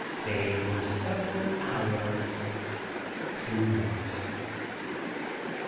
They were several hours too late...